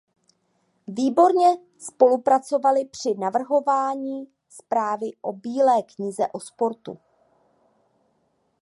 Výborně spolupracovali při navrhování zprávy o bílé knize o sportu.